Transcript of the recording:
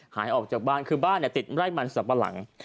หายออกจากบ้านคือบ้านติดไร่มันสัมปะหลัง